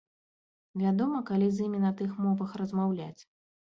Вядома, калі з імі на тых мовах размаўляць.